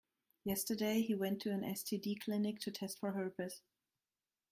Yesterday, he went to an STD clinic to test for herpes.